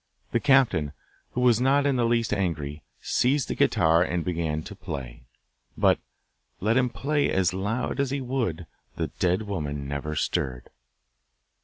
The captain, who was not in the least angry, seized the guitar and began to play; but, let him play as loud as he would, the dead woman never stirred.